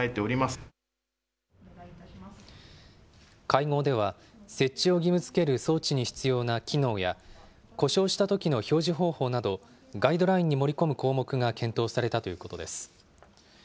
会合では、設置を義務づける装置に必要な機能や、故障したときの表示方法など、ガイドラインに盛り込む項目が検討されたということです。